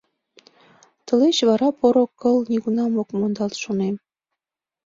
Тылеч вара поро кыл нигунам ок мондалт, шонем.